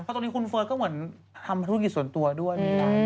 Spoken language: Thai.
เพราะตรงนี้คุณเฟิร์สก็เหมือนทำธุรกิจส่วนตัวด้วย